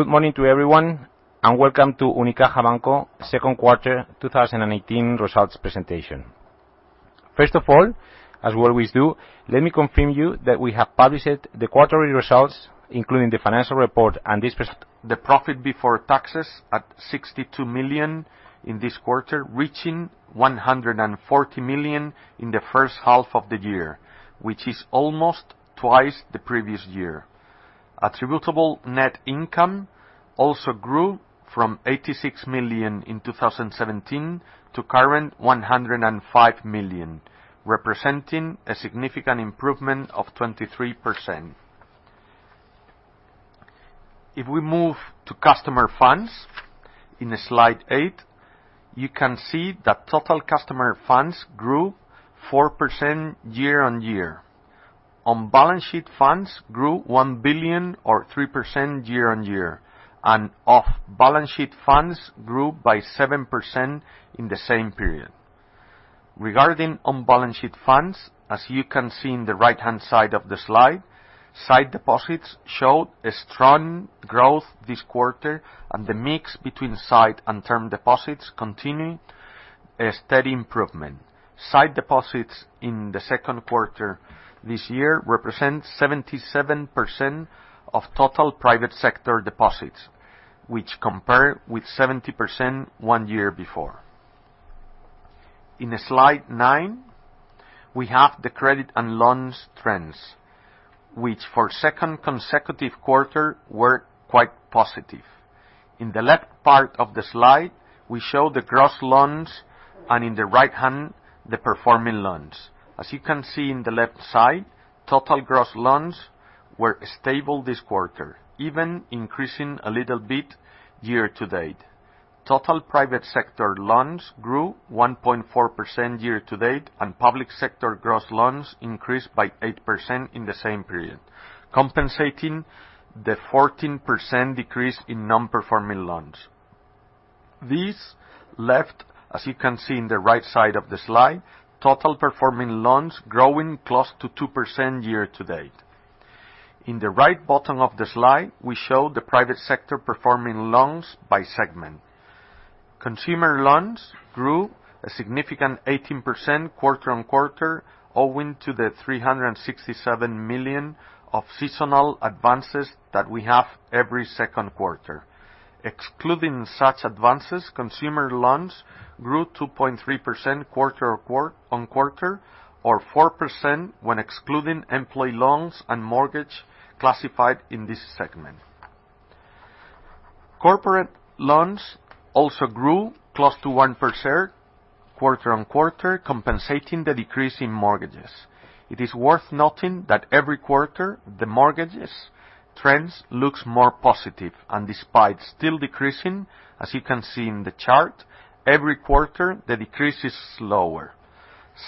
Good morning to everyone, welcome to Unicaja Banco second quarter 2018 results presentation. First of all, as we always do, let me confirm you that we have published the quarterly results, including the financial report and the profit before taxes at 62 million in this quarter, reaching 140 million in the first half of the year, which is almost twice the previous year. Attributable net income also grew from 86 million in 2017 to current 105 million, representing a significant improvement of 23%. If we move to customer funds, in slide eight, you can see that total customer funds grew 4% year-on-year. On-balance sheet funds grew 1 billion or 3% year-on-year, and off-balance sheet funds grew by 7% in the same period. Regarding on-balance sheet funds, as you can see in the right-hand side of the slide, sight deposits showed a strong growth this quarter, and the mix between sight and term deposits continue a steady improvement. Sight deposits in the second quarter this year represent 77% of total private sector deposits, which compare with 70% one year before. In slide nine, we have the credit and loans trends, which for second consecutive quarter were quite positive. In the left part of the slide, we show the gross loans, and in the right-hand, the performing loans. As you can see in the left side, total gross loans were stable this quarter, even increasing a little bit year-to-date. Total private sector loans grew 1.4% year-to-date, and public sector gross loans increased by 8% in the same period, compensating the 14% decrease in non-performing loans. These left, as you can see in the right side of the slide, total performing loans growing close to 2% year-to-date. In the right bottom of the slide, we show the private sector performing loans by segment. Consumer loans grew a significant 18% quarter-on-quarter owing to the 367 million of seasonal advances that we have every second quarter. Excluding such advances, consumer loans grew 2.3% quarter-on-quarter or 4% when excluding employee loans and mortgage classified in this segment. Corporate loans also grew close to 1% quarter-on-quarter, compensating the decrease in mortgages. It is worth noting that every quarter, the mortgages trends looks more positive, and despite still decreasing, as you can see in the chart, every quarter, the decrease is slower.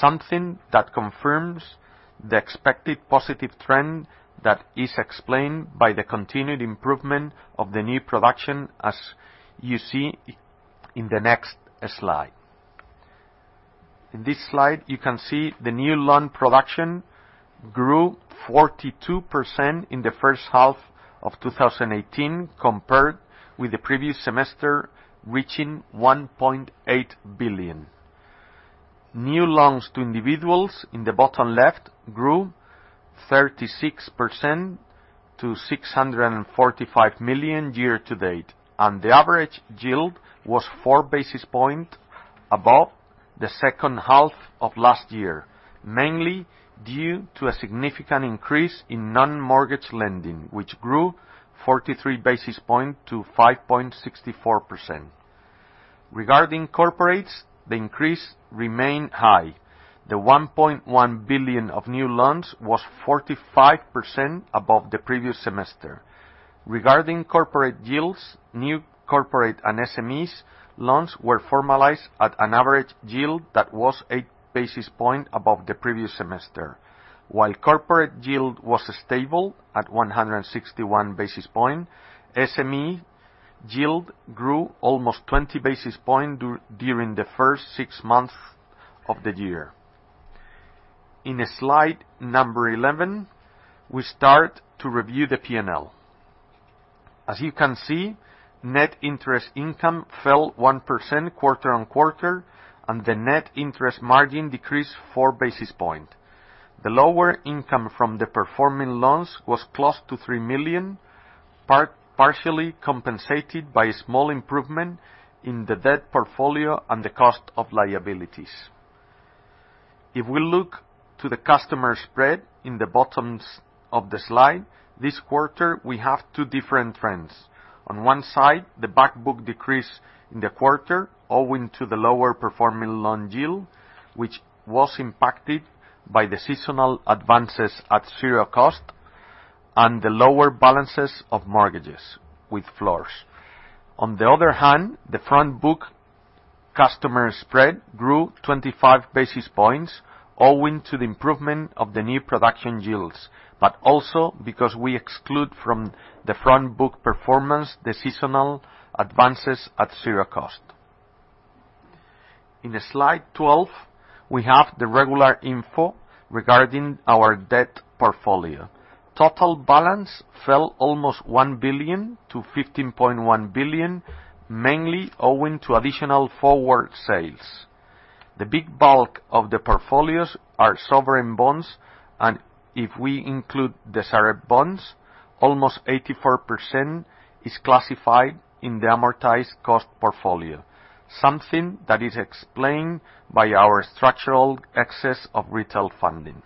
Something that confirms the expected positive trend that is explained by the continued improvement of the new production as you see in the next slide. In this slide, you can see the new loan production grew 42% in the first half of 2018 compared with the previous semester, reaching 1.8 billion. New loans to individuals in the bottom left grew 36% to 645 million year-to-date, and the average yield was four basis point above the second half of last year, mainly due to a significant increase in non-mortgage lending, which grew 43 basis point to 5.64%. Regarding corporates, the increase remained high. The 1.1 billion of new loans was 45% above the previous semester. Regarding corporate yields, new corporate and SMEs loans were formalized at an average yield that was eight basis point above the previous semester. While corporate yield was stable at 161 basis point, SME yield grew almost 20 basis point during the first six months of the year. In slide number 11, we start to review the P&L. As you can see, net interest income fell 1% quarter on quarter, and the net interest margin decreased four basis point. The lower income from the performing loans was close to 3 million, partially compensated by a small improvement in the debt portfolio and the cost of liabilities. If we look to the customer spread in the bottoms of the slide, this quarter, we have two different trends. On one side, the back book decreased in the quarter owing to the lower performing loan yield, which was impacted by the seasonal advances at zero cost and the lower balances of mortgages with floors. On the other hand, the front book customer spread grew 25 basis points owing to the improvement of the new production yields, but also because we exclude from the front book performance the seasonal advances at zero cost. In slide 12, we have the regular info regarding our debt portfolio. Total balance fell almost 1 billion to 15.1 billion, mainly owing to additional forward sales. The big bulk of the portfolios are sovereign bonds, and if we include the SAREB bonds, almost 84% is classified in the amortized cost portfolio, something that is explained by our structural excess of retail funding.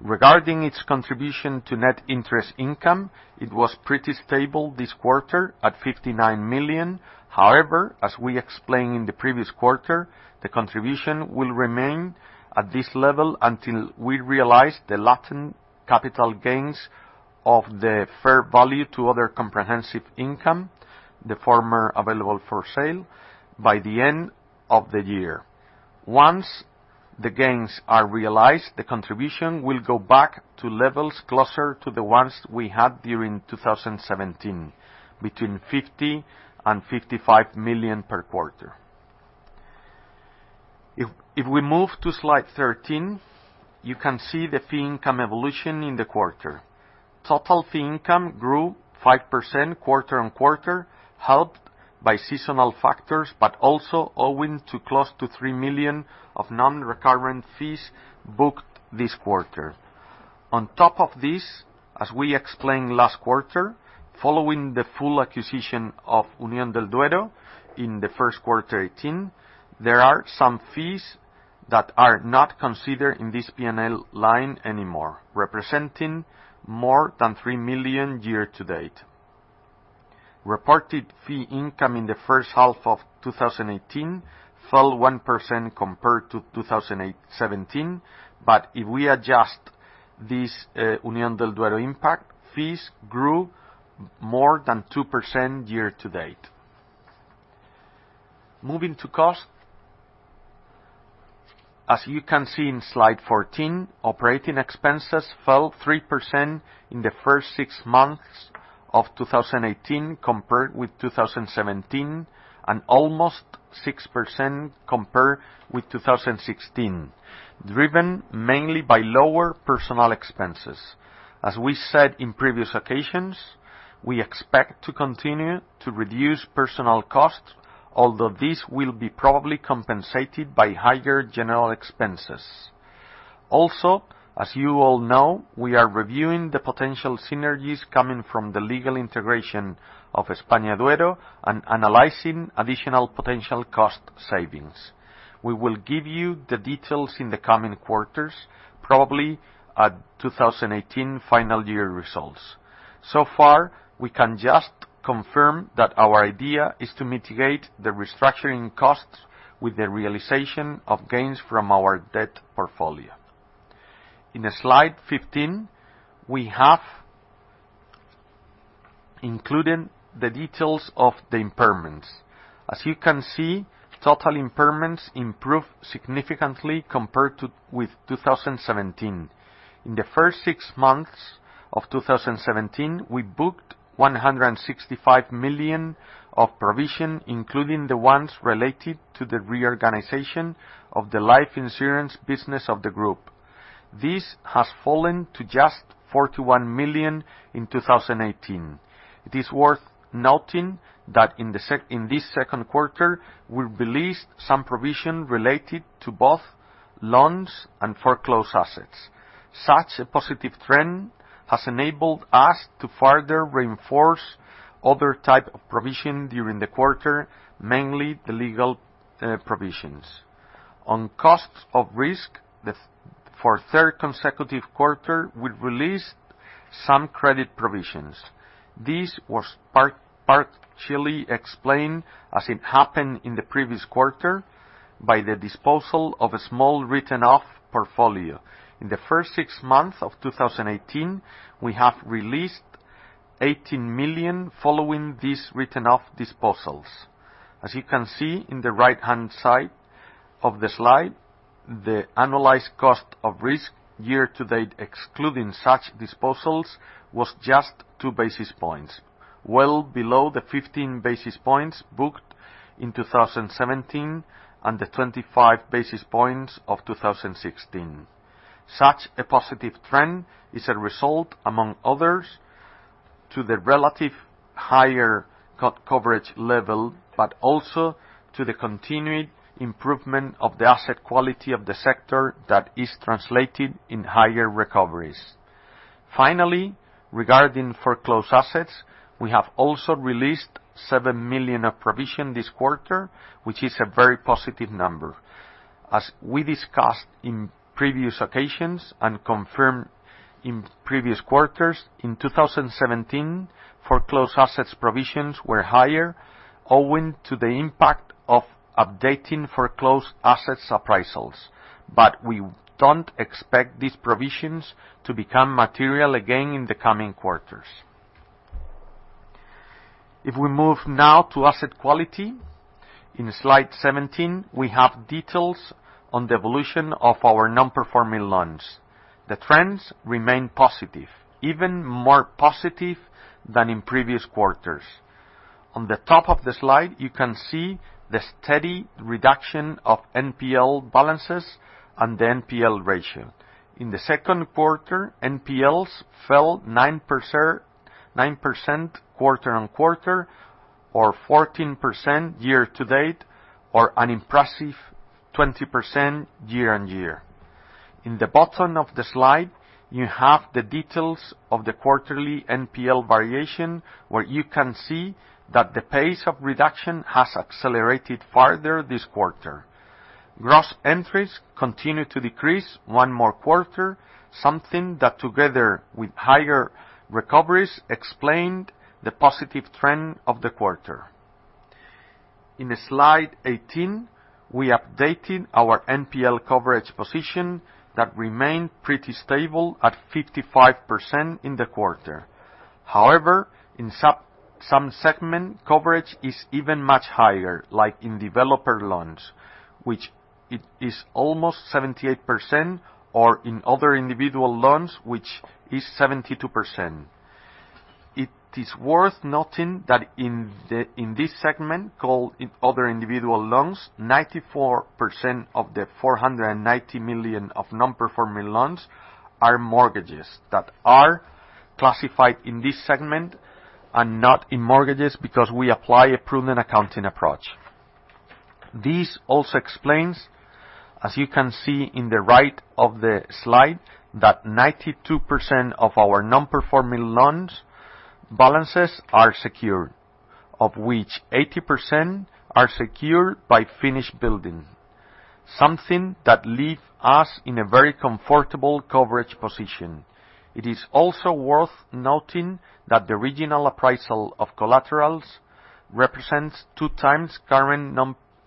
Regarding its contribution to net interest income, it was pretty stable this quarter at 59 million. However, as we explained in the previous quarter, the contribution will remain at this level until we realize the latent capital gains of the fair value to other comprehensive income, the former available for sale by the end of the year. Once the gains are realized, the contribution will go back to levels closer to the ones we had during 2017, between 50 million and 55 million per quarter. If we move to slide 13, you can see the fee income evolution in the quarter. Total fee income grew 5% quarter on quarter, helped by seasonal factors, but also owing to close to 3 million of non-recurrent fees booked this quarter. On top of this, as we explained last quarter, following the full acquisition of Unión del Duero in the first quarter 2018, there are some fees that are not considered in this P&L line anymore, representing more than 3 million year to date. Reported fee income in the first half of 2018 fell 1% compared to 2017. If we adjust this Unión del Duero impact, fees grew more than 2% year to date. Moving to cost, as you can see in slide 14, operating expenses fell 3% in the first six months of 2018 compared with 2017, and almost 6% compared with 2016, driven mainly by lower personal expenses. As we said in previous occasions, we expect to continue to reduce personal costs, although this will be probably compensated by higher general expenses. As you all know, we are reviewing the potential synergies coming from the legal integration of EspañaDuero and analyzing additional potential cost savings. We will give you the details in the coming quarters, probably at 2018 final year results. So far, we can just confirm that our idea is to mitigate the restructuring costs with the realization of gains from our debt portfolio. In slide 15, we have included the details of the impairments. As you can see, total impairments improved significantly compared with 2017. In the first six months of 2017, we booked 165 million of provision, including the ones related to the reorganization of the life insurance business of the group. This has fallen to just 41 million in 2018. It is worth noting that in this second quarter, we released some provision related to both loans and foreclosed assets. Such a positive trend has enabled us to further reinforce other type of provision during the quarter, mainly the legal provisions. On costs of risk, for a third consecutive quarter, we have released some credit provisions. This was partially explained, as it happened in the previous quarter, by the disposal of a small written-off portfolio. In the first six months of 2018, we have released 18 million following these written-off disposals. As you can see in the right-hand side of the slide, the annualized cost of risk year-to-date, excluding such disposals, was just two basis points, well below the 15 basis points booked in 2017 and the 25 basis points of 2016. Such a positive trend is a result, among others, to the relative higher coverage level, but also to the continued improvement of the asset quality of the sector that is translated in higher recoveries. Regarding foreclosed assets, we have also released 7 million of provision this quarter, which is a very positive number. As we discussed in previous occasions and confirmed in previous quarters, in 2017, foreclosed assets provisions were higher owing to the impact of updating foreclosed asset appraisals. We don't expect these provisions to become material again in the coming quarters. If we move now to asset quality, in slide 17, we have details on the evolution of our non-performing loans. The trends remain positive, even more positive than in previous quarters. On the top of the slide, you can see the steady reduction of NPL balances and the NPL ratio. In the second quarter, NPLs fell 9% quarter-on-quarter, or 14% year-to-date, or an impressive 20% year-on-year. In the bottom of the slide, you have the details of the quarterly NPL variation, where you can see that the pace of reduction has accelerated farther this quarter. Gross entries continue to decrease one more quarter, something that, together with higher recoveries, explained the positive trend of the quarter. In slide 18, we updated our NPL coverage position that remained pretty stable at 55% in the quarter. In some segment, coverage is even much higher, like in developer loans, which it is almost 78%, or in other individual loans, which is 72%. It is worth noting that in this segment, called other individual loans, 94% of the 490 million of non-performing loans are mortgages that are classified in this segment and not in mortgages because we apply a prudent accounting approach. This also explains, as you can see in the right of the slide, that 92% of our non-performing loans balances are secured, of which 80% are secured by finished building. Something that leave us in a very comfortable coverage position. It is also worth noting that the regional appraisal of collaterals represents two times current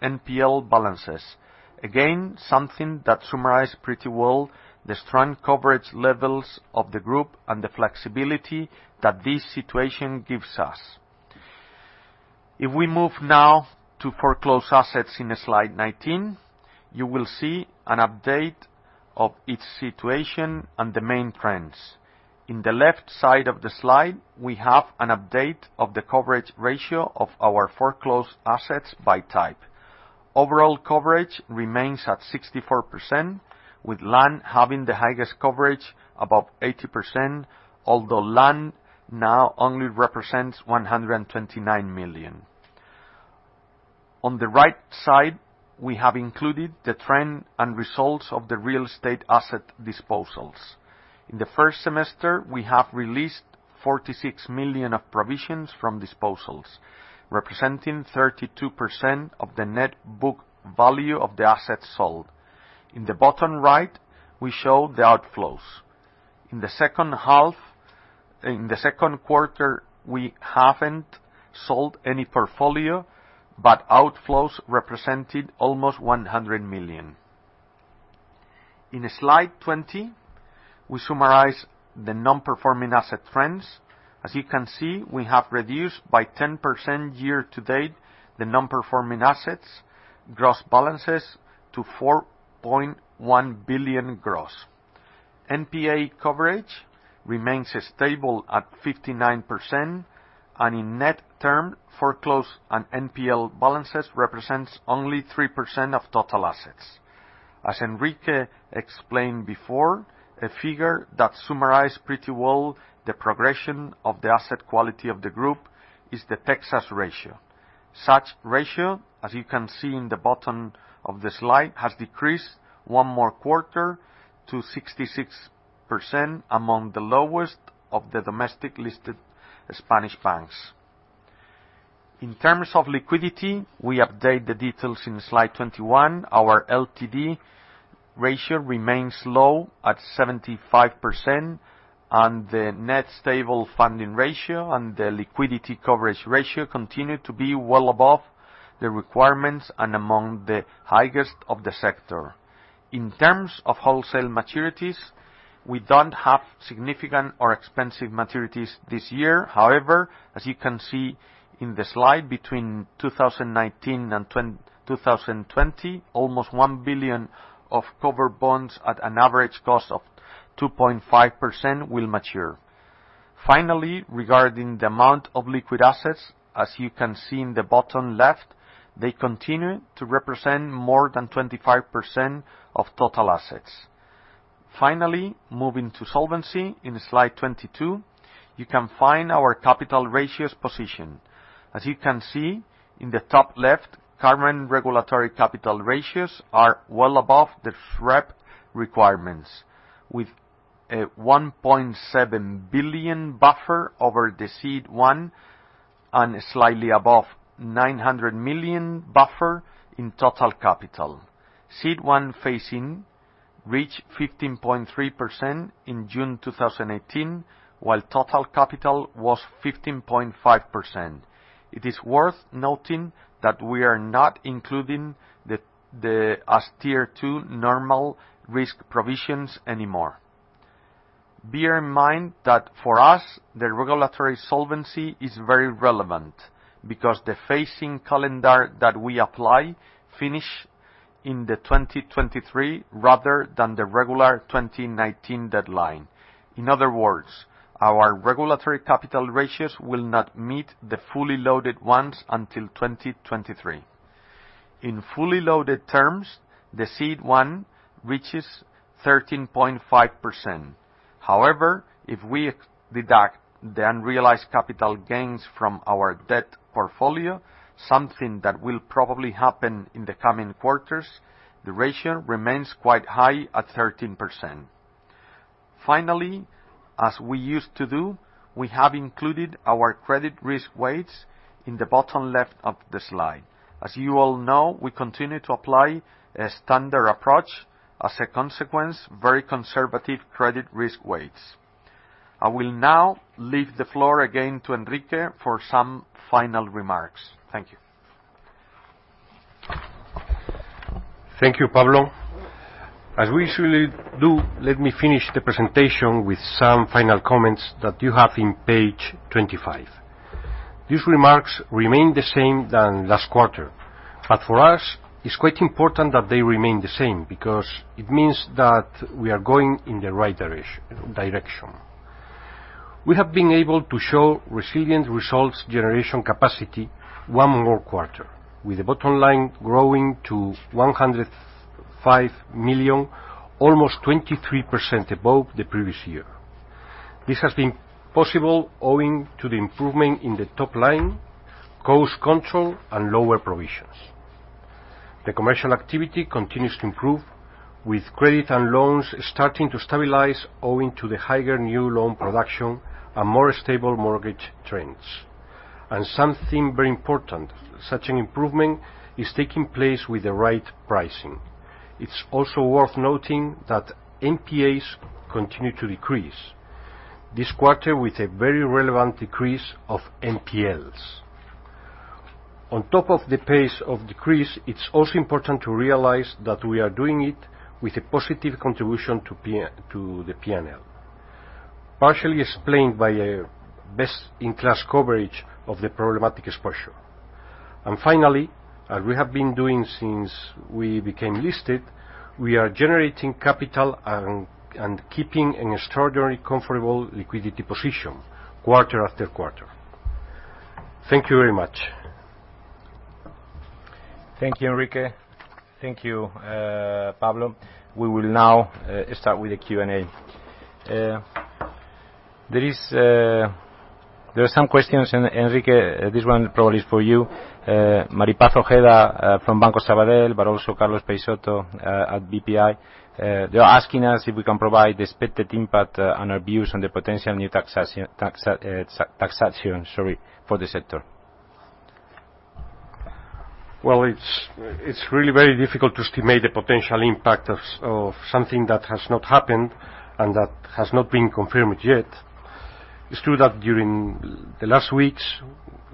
NPL balances. Again, something that summarize pretty well the strong coverage levels of the group and the flexibility that this situation gives us. If we move now to foreclosed assets in slide 19, you will see an update of its situation and the main trends. In the left side of the slide, we have an update of the coverage ratio of our foreclosed assets by type. Overall coverage remains at 64%, with land having the highest coverage above 80%, although land now only represents 129 million. On the right side, we have included the trend and results of the real estate asset disposals. In the first semester, we have released 46 million of provisions from disposals, representing 32% of the net book value of the assets sold. In the bottom right, we show the outflows. In the second quarter, we haven't sold any portfolio, but outflows represented almost 100 million. In slide 20, we summarize the non-performing asset trends. As you can see, we have reduced by 10% year-to-date the non-performing assets gross balances to 4.1 billion gross. NPA coverage remains stable at 59%, and in net term, foreclosed and NPL balances represents only 3% of total assets. As Enrique explained before, a figure that summarize pretty well the progression of the asset quality of the group is the Texas ratio. Such ratio, as you can see in the bottom of the slide, has decreased one more quarter to 66% among the lowest of the domestic listed Spanish banks. In terms of liquidity, we update the details in slide 21. Our LTD ratio remains low at 75%, and the net stable funding ratio and the liquidity coverage ratio continue to be well above the requirements and among the highest of the sector. In terms of wholesale maturities, we don't have significant or expensive maturities this year. However, as you can see in the slide, between 2019 and 2020, almost 1 billion of cover bonds at an average cost of 2.5% will mature. Finally, regarding the amount of liquid assets, as you can see in the bottom left, they continue to represent more than 25% of total assets. Finally, moving to solvency in slide 22, you can find our capital ratios position. As you can see in the top left, current regulatory capital ratios are well above the SREP requirements, with a 1.7 billion buffer over the CET1 and slightly above 900 million buffer in total capital. CET1 phase-in reached 15.3% in June 2018, while total capital was 15.5%. It is worth noting that we are not including as Tier 2 normal risk provisions anymore. Bear in mind that for us, the regulatory solvency is very relevant because the phasing calendar that we apply finish in 2023 rather than the regular 2019 deadline. In other words, our regulatory capital ratios will not meet the fully loaded ones until 2023. In fully loaded terms, the CET1 reaches 13.5%. However, if we deduct the unrealized capital gains from our debt portfolio, something that will probably happen in the coming quarters, the ratio remains quite high at 13%. Finally, as we used to do, we have included our credit risk weights in the bottom left of the slide. As you all know, we continue to apply a standard approach, as a consequence, very conservative credit risk weights. I will now leave the floor again to Enrique for some final remarks. Thank you. Thank you, Pablo. As we usually do, let me finish the presentation with some final comments that you have in page 25. These remarks remain the same than last quarter. For us, it's quite important that they remain the same because it means that we are going in the right direction. We have been able to show resilient results generation capacity one more quarter, with the bottom line growing to 105 million, almost 23% above the previous year. This has been possible owing to the improvement in the top line, cost control, and lower provisions. The commercial activity continues to improve, with credit and loans starting to stabilize owing to the higher new loan production and more stable mortgage trends. Something very important, such an improvement is taking place with the right pricing. It's also worth noting that NPAs continue to decrease. This quarter, with a very relevant decrease of NPLs. On top of the pace of decrease, it's also important to realize that we are doing it with a positive contribution to the P&L, partially explained by a best-in-class coverage of the problematic exposure. Finally, as we have been doing since we became listed, we are generating capital and keeping an extraordinary comfortable liquidity position quarter after quarter. Thank you very much. Thank you, Enrique. Thank you, Pablo. We will now start with the Q&A. There are some questions, and Enrique, this one probably is for you. Mari Paz Ojeda from Banco Sabadell, also Carlos Peixoto at BPI. They're asking us if we can provide the expected impact on our views on the potential new taxation, sorry, for the sector. Well, it's really very difficult to estimate the potential impact of something that has not happened and that has not been confirmed yet. It's true that during the last weeks,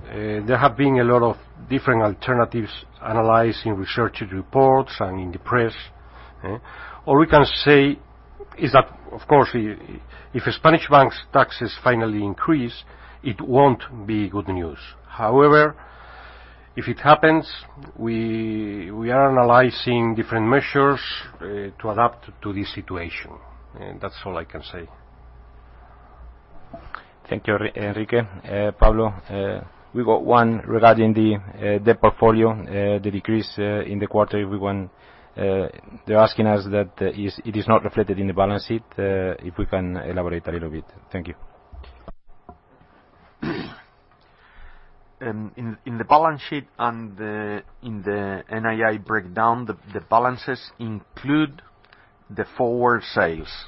there have been a lot of different alternatives analyzed in research reports and in the press. All we can say is that, of course, if Spanish banks' taxes finally increase, it won't be good news. However, if it happens, we are analyzing different measures to adapt to this situation. That's all I can say. Thank you, Enrique. Pablo, we've got one regarding the debt portfolio, the decrease in the quarter. They're asking us that it is not reflected in the balance sheet, if we can elaborate a little bit. Thank you. In the balance sheet and in the NII breakdown, the balances include the forward sales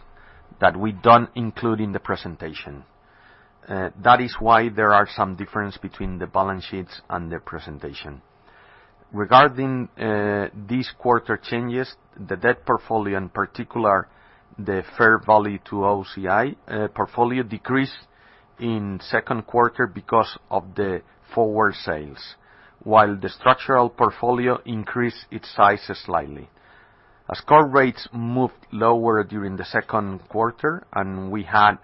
that we don't include in the presentation. That is why there are some difference between the balance sheets and the presentation. Regarding this quarter changes, the debt portfolio, in particular the fair value to OCI portfolio decreased in second quarter because of the forward sales, while the structural portfolio increased its size slightly. As core rates moved lower during the second quarter and we had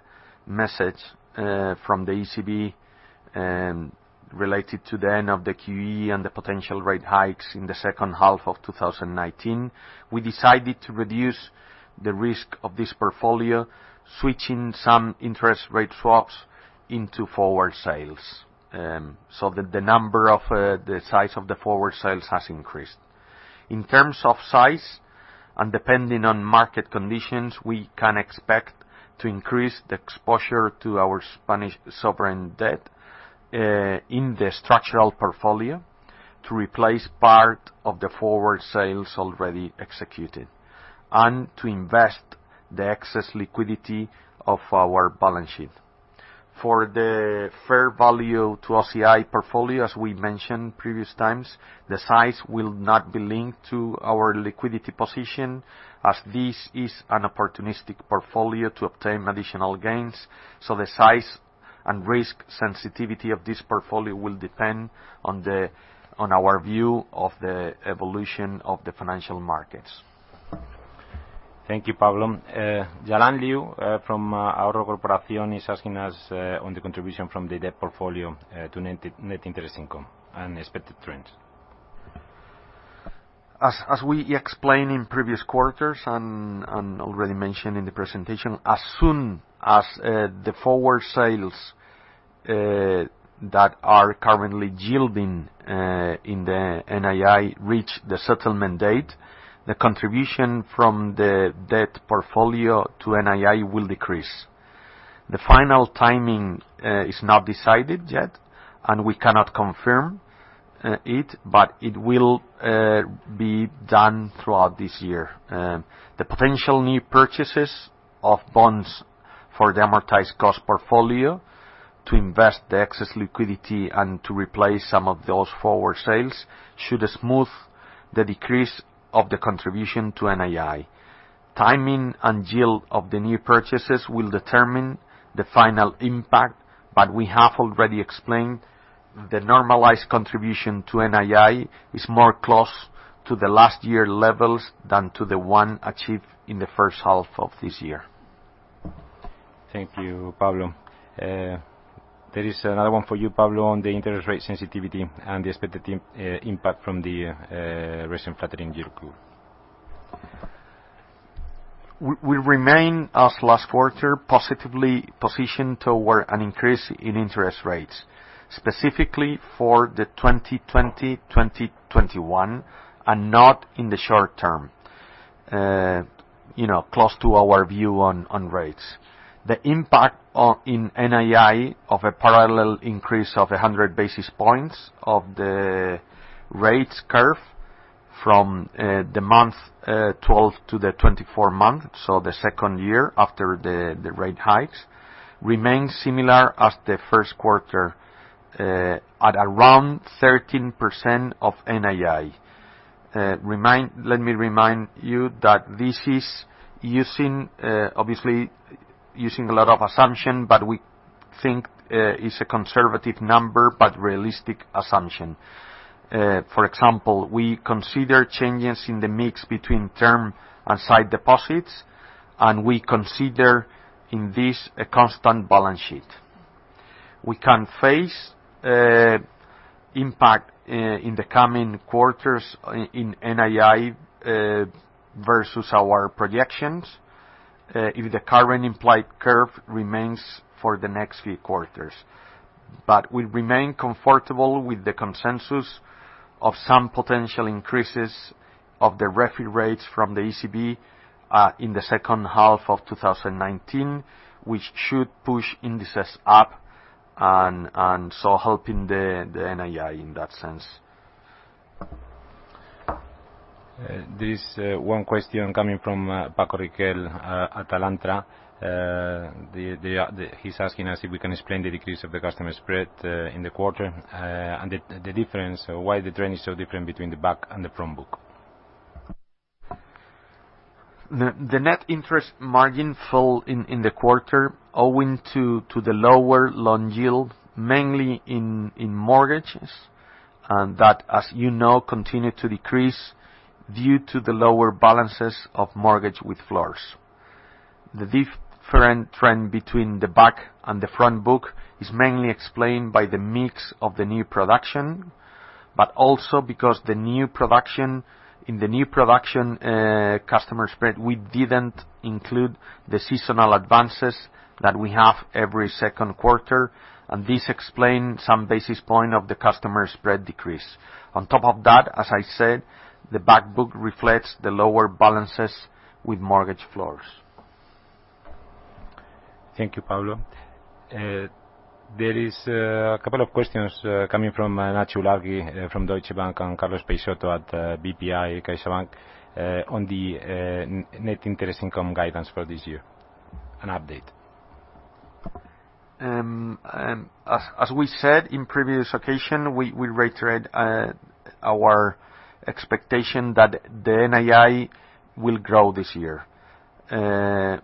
message from the ECB related to the end of the QE and the potential rate hikes in the second half of 2019, we decided to reduce the risk of this portfolio, switching some interest rate swaps into forward sales, so that the size of the forward sales has increased. In terms of size and depending on market conditions, we can expect to increase the exposure to our Spanish sovereign debt in the structural portfolio to replace part of the forward sales already executed and to invest the excess liquidity of our balance sheet. For the fair value to OCI portfolio, as we mentioned previous times, the size will not be linked to our liquidity position, as this is an opportunistic portfolio to obtain additional gains. The size and risk sensitivity of this portfolio will depend on our view of the evolution of the financial markets. Thank you, Pablo. Jialin Liu from Ahorro Corporación is asking us on the contribution from the debt portfolio to net interest income and expected trends. As we explained in previous quarters and already mentioned in the presentation, as soon as the forward sales that are currently yielding in the NII reach the settlement date, the contribution from the debt portfolio to NII will decrease. The final timing is not decided yet, and we cannot confirm it, but it will be done throughout this year. The potential new purchases of bonds for the amortized cost portfolio to invest the excess liquidity and to replace some of those forward sales should smooth the decrease of the contribution to NII. Timing and yield of the new purchases will determine the final impact, but we have already explained the normalized contribution to NII is more close to the last year levels than to the one achieved in the first half of this year. Thank you, Pablo. There is another one for you, Pablo, on the interest rate sensitivity and the expected impact from the recent flattening yield curve. We remain, as last quarter, positively positioned toward an increase in interest rates, specifically for the 2020, 2021, and not in the short term. Close to our view on rates. The impact in NII of a parallel increase of 100 basis points of the rates curve from the month 12 to the 24 month, so the second year after the rate hikes, remains similar as the first quarter at around 13% of NII. Let me remind you that this is obviously using a lot of assumption, but we think it's a conservative number, but realistic assumption. For example, we consider changes in the mix between term and sight deposits, and we consider in this a constant balance sheet. We can face impact in the coming quarters in NII versus our projections if the current implied curve remains for the next few quarters. We remain comfortable with the consensus of some potential increases of the refi rates from the ECB in the second half of 2019, which should push indices up, and so helping the NII in that sense. There is one question coming from Francisco Riquel at Alantra. He's asking us if we can explain the decrease of the customer spread in the quarter, and the difference, why the trend is so different between the back and the front book. The net interest margin fell in the quarter owing to the lower loan yield, mainly in mortgages, and that, as you know, continued to decrease due to the lower balances of mortgage with floors. The different trend between the back and the front book is mainly explained by the mix of the new production, but also because in the new production customer spread, we didn't include the seasonal advances that we have every second quarter, and this explained some basis point of the customer spread decrease. On top of that, as I said, the back book reflects the lower balances with mortgage floors. Thank you, Pablo. There is a couple of questions coming from Nacho Ilargi from Deutsche Bank and Carlos Peixoto at Banco BPI on the net interest income guidance for this year. An update. As we said in previous occasion, we reiterate our expectation that the NII will grow this year.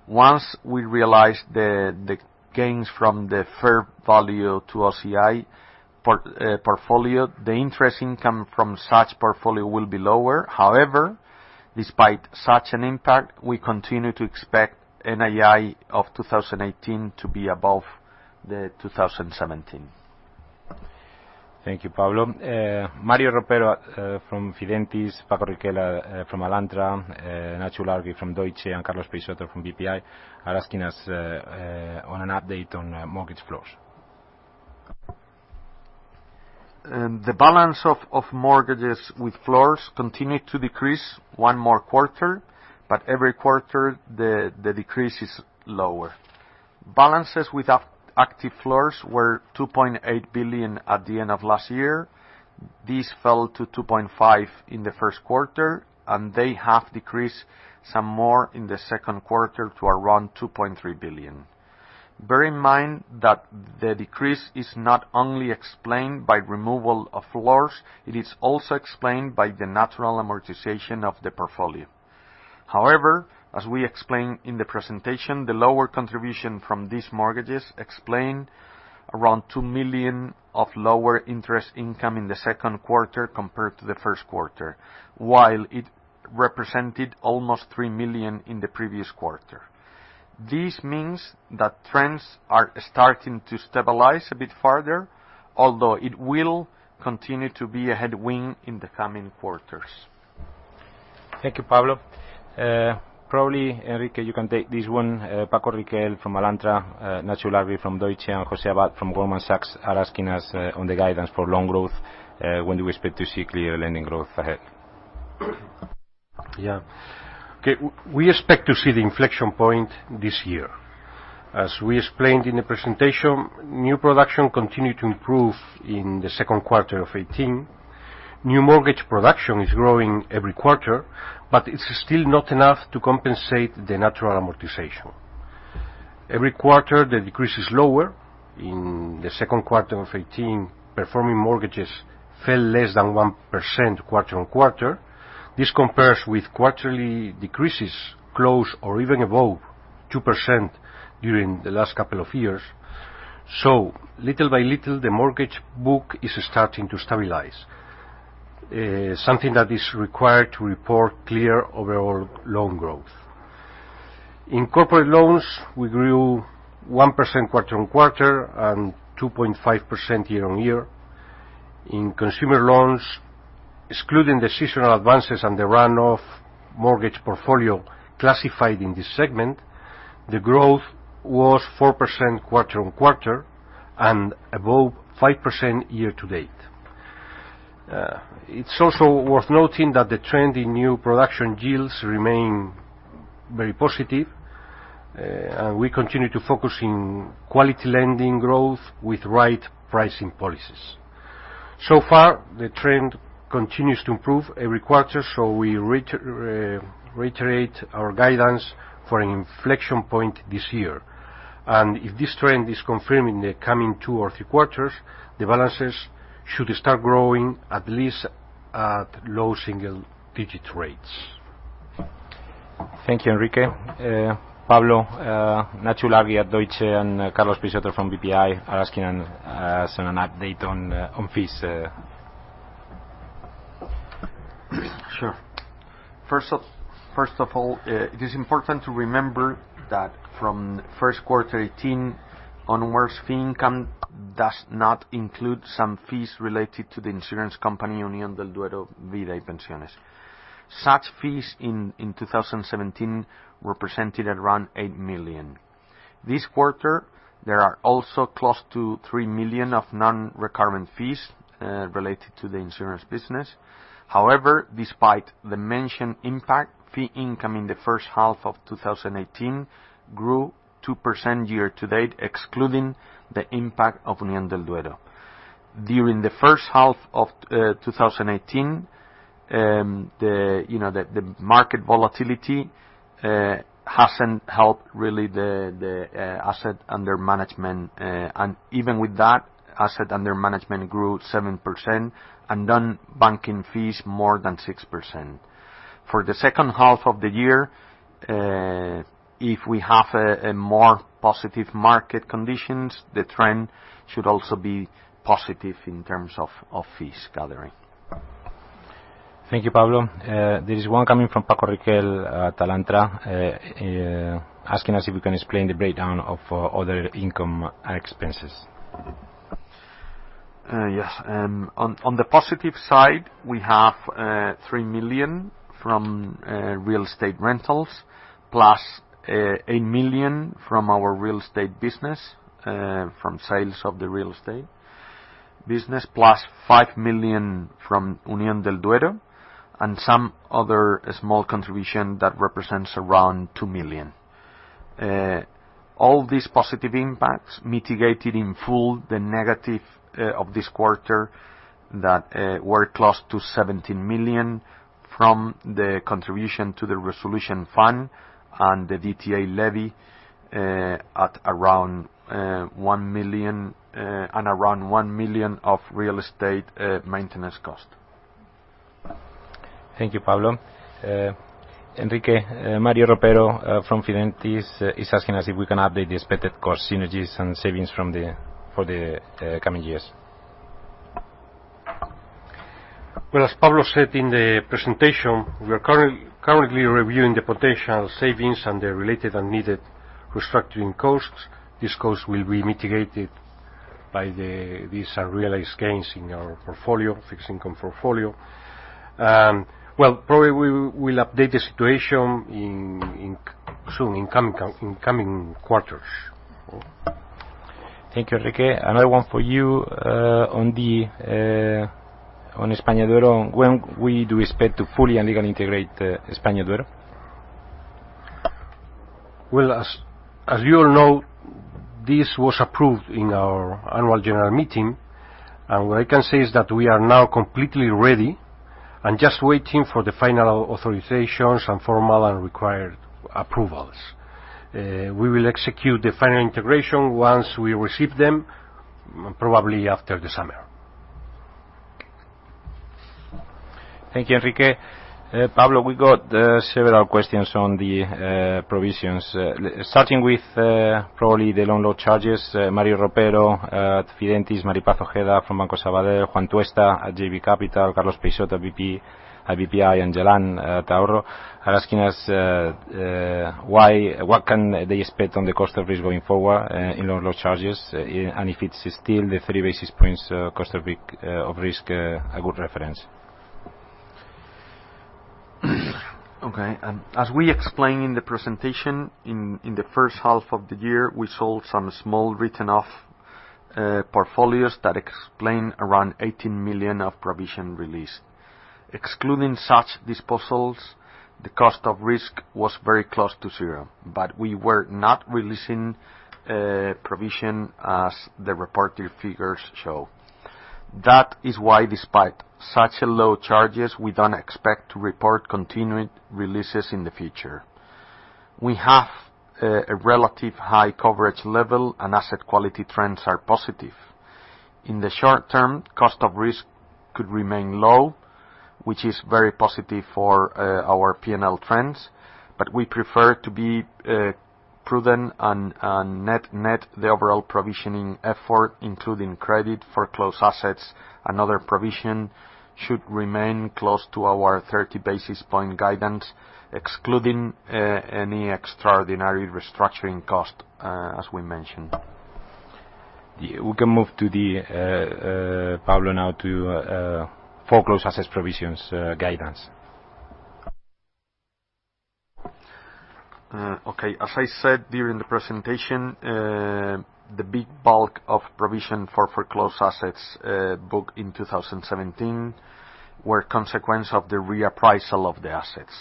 Once we realize the gains from the fair value to OCI portfolio, the interest income from such portfolio will be lower. Despite such an impact, we continue to expect NII of 2018 to be above the 2017. Thank you, Pablo. Mario Ropero from Fidentiis, Francisco Riquel from Alantra, Nacho Ilargi from Deutsche, and Carlos Peixoto from BPI are asking us on an update on mortgage floors. The balance of mortgages with floors continued to decrease one more quarter, but every quarter the decrease is lower. Balances with active floors were 2.8 billion at the end of last year. These fell to 2.5 billion in the first quarter, and they have decreased some more in the second quarter to around 2.3 billion. Bear in mind that the decrease is not only explained by removal of floors, it is also explained by the natural amortization of the portfolio. As we explained in the presentation, the lower contribution from these mortgages explained around 2 million of lower interest income in the second quarter compared to the first quarter, while it represented almost 3 million in the previous quarter. Trends are starting to stabilize a bit further, although it will continue to be a headwind in the coming quarters. Thank you, Pablo. Probably, Enrique, you can take this one. Francisco Riquel from Alantra, Nacho Ilargi from Deutsche, and José Abad from Goldman Sachs are asking us on the guidance for loan growth. When do we expect to see clear lending growth ahead? Yeah. Okay. We expect to see the inflection point this year. As we explained in the presentation, new production continued to improve in the second quarter of 2018. New mortgage production is growing every quarter, but it's still not enough to compensate the natural amortization. Every quarter, the decrease is lower. In the second quarter of 2018, performing mortgages fell less than 1% quarter-on-quarter. This compares with quarterly decreases close or even above 2% during the last couple of years. Little by little, the mortgage book is starting to stabilize. Something that is required to report clear overall loan growth. In corporate loans, we grew 1% quarter-on-quarter and 2.5% year-on-year. In consumer loans, excluding the seasonal advances and the runoff mortgage portfolio classified in this segment, the growth was 4% quarter-on-quarter and above 5% year to date. It's also worth noting that the trend in new production yields remain very positive, and we continue to focus in quality lending growth with right pricing policies. Far, the trend continues to improve every quarter, so we reiterate our guidance for an inflection point this year. If this trend is confirmed in the coming two or three quarters, the balances should start growing at least at low single-digit rates. Thank you, Enrique. Pablo, Nacho Ilargi at Deutsche Bank and Carlos Peixoto from BPI are asking us an update on fees. Sure. First of all, it is important to remember that from first quarter 2018 onwards, fee income does not include some fees related to the insurance company, Unión del Duero Vida y Pensiones. Such fees in 2017 represented around 8 million. This quarter, there are also close to 3 million of non-recurring fees related to the insurance business. However, despite the mentioned impact, fee income in the first half of 2018 grew 2% year to date, excluding the impact of Unión del Duero. During the first half of 2018, the market volatility hasn't helped, really, the asset under management. Even with that, asset under management grew 7%, and non-banking fees more than 6%. For the second half of the year, if we have more positive market conditions, the trend should also be positive in terms of fees gathering. Thank you, Pablo. There is one coming from Francisco Riquel at Alantra, asking us if we can explain the breakdown of other income and expenses. Yes. On the positive side, we have 3 million from real estate rentals, plus 8 million from our real estate business, from sales of the real estate business, plus 5 million from Unión del Duero. Some other small contribution that represents around 2 million. All these positive impacts mitigated in full the negative of this quarter that were close to 17 million from the contribution to the resolution fund and the DTA levy at around 1 million, and around 1 million of real estate maintenance cost. Thank you, Pablo. Enrique, Mario Ropero from Fidentiis is asking us if we can update the expected cost synergies and savings for the coming years. Well, as Pablo said in the presentation, we are currently reviewing the potential savings and the related and needed restructuring costs. These costs will be mitigated by these unrealized gains in our fixed income portfolio. Well, probably we will update the situation soon in coming quarters. Thank you, Enrique. Another one for you on EspañaDuero. When do we expect to fully and legally integrate EspañaDuero? Well, as you all know, this was approved in our annual general meeting. What I can say is that we are now completely ready and just waiting for the final authorizations and formal and required approvals. We will execute the final integration once we receive them, probably after the summer. Thank you, Enrique. Pablo, we got several questions on the provisions. Starting with probably the loan loss charges. Mario Ropero at Fidentiis, Mari Paz Ojeda from Banco Sabadell, Juan Tuesta at JB Capital, Carlos Peixoto at BPI, and Jalan Tauro are asking us what can they expect on the cost of risk going forward in loan loss charges, and if it's still the three basis points cost of risk a good reference? Okay. As we explained in the presentation, in the first half of the year, we sold some small written-off portfolios that explain around 18 million of provision release. Excluding such disposals, the cost of risk was very close to zero, but we were not releasing provision as the reported figures show. That is why despite such low charges, we don't expect to report continuing releases in the future. We have a relative high coverage level and asset quality trends are positive. In the short term, cost of risk could remain low, which is very positive for our P&L trends, but we prefer to be prudent on net the overall provisioning effort, including credit for closed assets. Another provision should remain close to our 30 basis point guidance, excluding any extraordinary restructuring cost, as we mentioned. Yeah. We can move, Pablo, now to foreclosed assets provisions guidance. Okay. As I said during the presentation, the big bulk of provision for foreclosed assets booked in 2017 were a consequence of the reappraisal of the assets.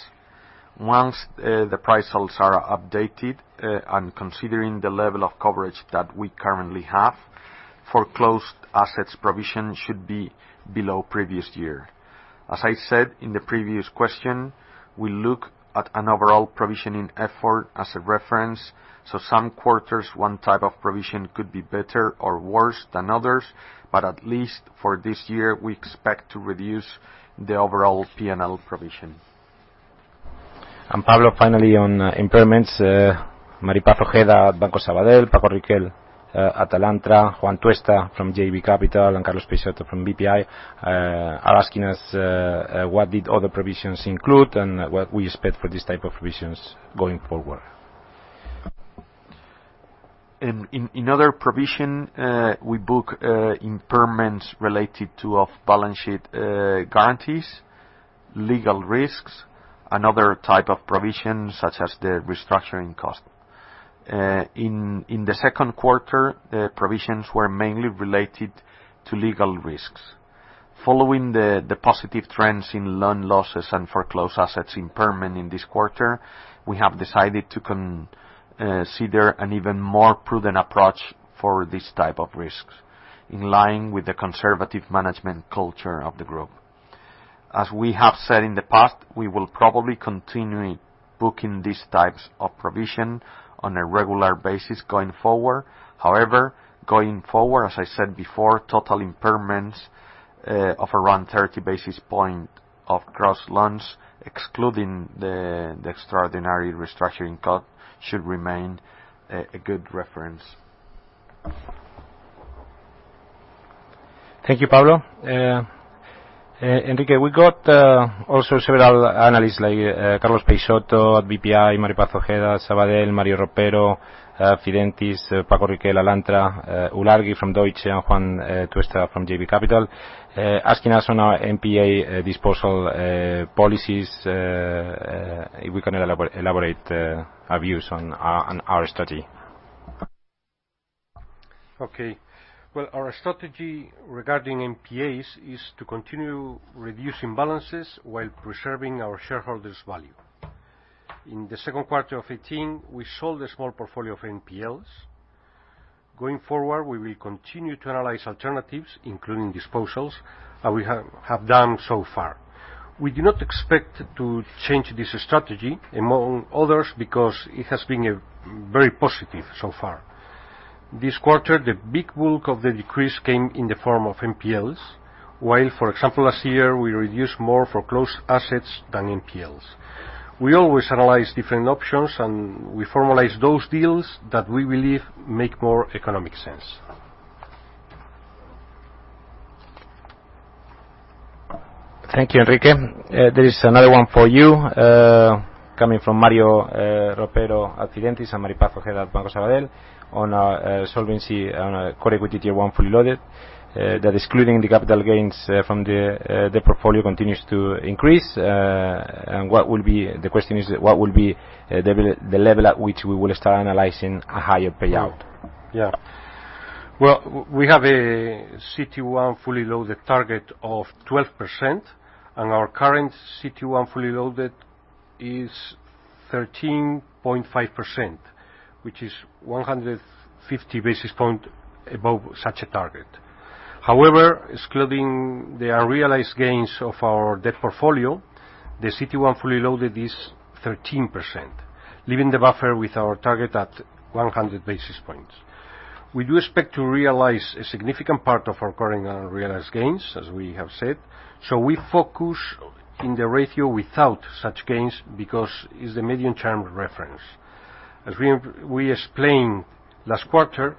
Once the prices are updated, and considering the level of coverage that we currently have, foreclosed assets provision should be below previous year. As I said in the previous question, we look at an overall provisioning effort as a reference, so some quarters, one type of provision could be better or worse than others, but at least for this year, we expect to reduce the overall P&L provision. Pablo, finally, on impairments, Mari Paz Ojeda at Banco Sabadell, Paco Riquel at Alantra, Juan Tuesta from JB Capital, and Carlos Peixoto from BPI are asking us what did other provisions include and what we expect for this type of provisions going forward. In other provision, we book impairments related to off-balance sheet guarantees, legal risks, and other type of provisions such as the restructuring cost. In the second quarter, the provisions were mainly related to legal risks. Following the positive trends in loan losses and foreclosed assets impairment in this quarter, we have decided to consider an even more prudent approach for this type of risks, in line with the conservative management culture of the group. As we have said in the past, we will probably continue booking these types of provision on a regular basis going forward. However, going forward, as I said before, total impairments of around 30 basis point of gross loans, excluding the extraordinary restructuring cost, should remain a good reference. Thank you, Pablo. Enrique, we got also several analysts like Carlos Peixoto at BPI, Mari Paz Ojeda at Sabadell, Mario Ropero, Fidentiis, Paco Riquel, Alantra, Ilargi from Deutsche, and Juan Tuesta from JB Capital, asking us on our NPA disposal policies, if we can elaborate our views on our strategy. Well, our strategy regarding NPAs is to continue reducing balances while preserving our shareholders' value. In the second quarter of 2018, we sold a small portfolio of NPLs. Going forward, we will continue to analyze alternatives, including disposals, as we have done so far. We do not expect to change this strategy, among others, because it has been very positive so far. This quarter, the big bulk of the decrease came in the form of NPLs. While, for example, last year, we reduced more foreclosed assets than NPLs. We always analyze different options, and we formalize those deals that we believe make more economic sense. Thank you, Enrique. There is another one for you, coming from Mario Ropero at Fidentiis and Mari Paz Ojeda at Banco Sabadell on our solvency on a Common Equity Tier 1 fully loaded, that excluding the capital gains from the portfolio continues to increase. The question is, what will be the level at which we will start analyzing a higher payout? Well, we have a CET1 fully loaded target of 12%, and our current CET1 fully loaded is 13.5%, which is 150 basis points above such a target. However, excluding the realized gains of our debt portfolio, the CET1 fully loaded is 13%, leaving the buffer with our target at 100 basis points. We do expect to realize a significant part of our current unrealized gains, as we have said. We focus on the ratio without such gains because it's the medium-term reference. As we explained last quarter,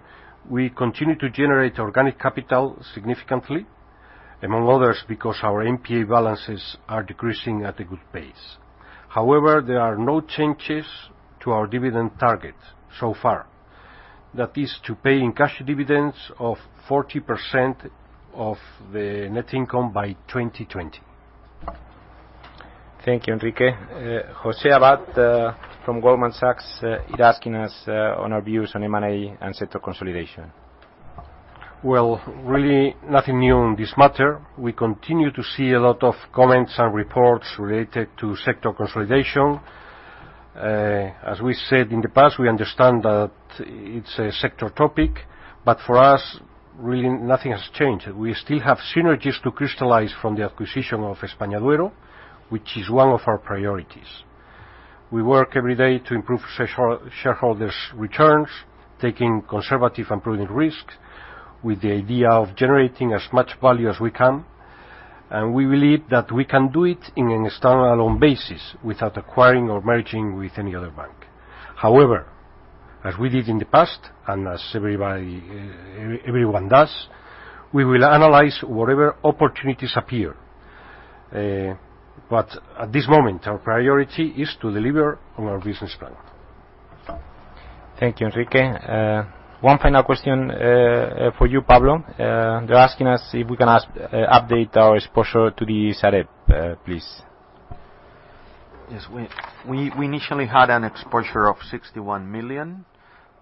we continue to generate organic capital significantly, among others, because our NPA balances are decreasing at a good pace. However, there are no changes to our dividend target so far. That is to pay in cash dividends of 40% of the net income by 2020. Thank you, Enrique. José Abad from Goldman Sachs is asking us on our views on M&A and sector consolidation. Well, really nothing new on this matter. We continue to see a lot of comments and reports related to sector consolidation. As we said in the past, we understand that it's a sector topic. For us, really nothing has changed. We still have synergies to crystallize from the acquisition of EspañaDuero, which is one of our priorities. We work every day to improve shareholders' returns, taking conservative and prudent risks with the idea of generating as much value as we can. We believe that we can do it in a standalone basis without acquiring or merging with any other bank. However, as we did in the past, and as everyone does, we will analyze whatever opportunities appear. At this moment, our priority is to deliver on our business plan. Thank you, Enrique. One final question for you, Pablo. They're asking us if we can update our exposure to the SAREB, please. Yes. We initially had an exposure of 61 million,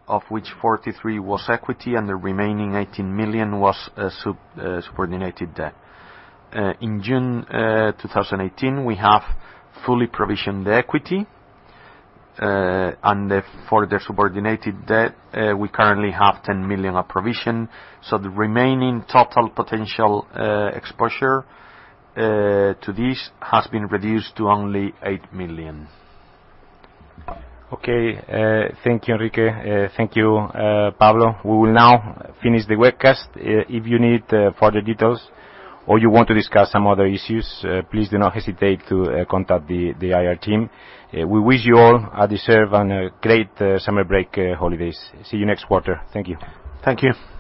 of which 43 was equity, and the remaining 18 million was subordinated debt. In June 2018, we have fully provisioned the equity, and for the subordinated debt, we currently have 10 million of provision. The remaining total potential exposure to this has been reduced to only 8 million. Okay. Thank you, Enrique. Thank you, Pablo. We will now finish the webcast. If you need further details or you want to discuss some other issues, please do not hesitate to contact the IR team. We wish you all a deserved and great summer break holidays. See you next quarter. Thank you. Thank you.